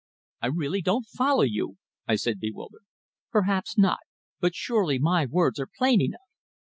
"I really don't follow you," I said, bewildered. "Perhaps not. But surely my words are plain enough!"